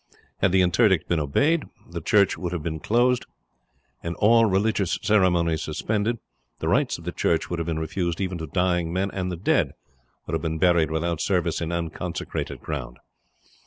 Had the interdict been obeyed, the churches would have been closed, all religious ceremonies suspended, the rites of the church would have been refused even to dying men, and the dead would have been buried without service in unconsecrated ground.